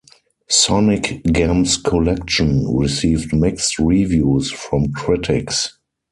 "Sonic Gems Collection" received mixed reviews from critics.